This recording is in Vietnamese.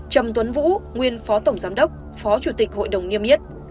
trầm tuấn vũ nguyên phó tổng giám đốc phó chủ tịch hội đồng niêm yết